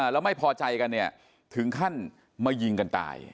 แล้วไม่พอใจกันเนี่ยถึงขั้นมายิงกันตาย